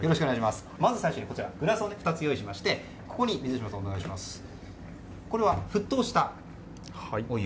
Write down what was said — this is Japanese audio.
まずグラスを２つ用意しましてこれは沸騰したお湯。